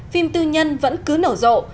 phim tư nhân vẫn cứ nổ rộ